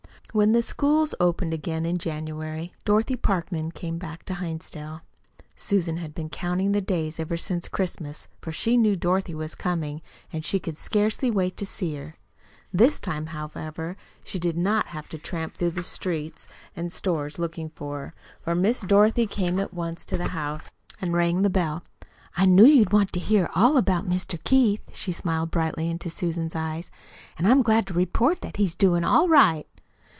When the schools opened again in January, Dorothy Parkman came back to Hinsdale. Susan had been counting the days ever since Christmas, for she knew Dorothy was coming, and she could scarcely wait to see her. This time, however, she did not have to tramp through the streets and stores looking for her, for Miss Dorothy came at once to the house and rang the bell. "I knew you'd want to hear all about Mr. Keith," she smiled brightly into Susan's eyes. "And I'm glad to report that he's doing all right."